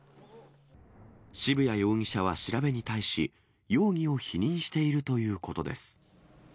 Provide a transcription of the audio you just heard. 渋谷容疑者は調べに対し、容疑を否認しているということです。